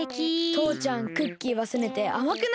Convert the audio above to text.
とうちゃんクッキーはせめてあまくないと！